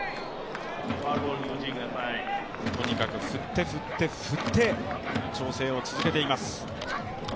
とにかく振って振って振って調整を続けています。